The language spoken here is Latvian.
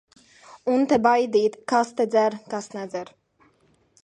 Un te baidīt, kas te dzer, kas nedzer.